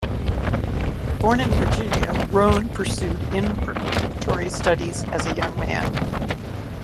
Born in Virginia, Roane pursued in preparatory studies as a young man.